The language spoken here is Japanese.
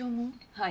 はい。